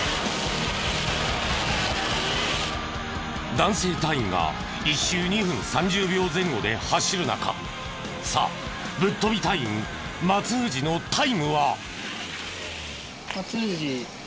男性隊員が１周２分３０秒前後で走る中さあぶっ飛び隊員松藤のタイムは？